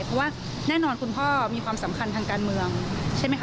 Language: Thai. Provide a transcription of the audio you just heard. เพราะว่าแน่นอนคุณพ่อมีความสำคัญทางการเมืองใช่ไหมคะ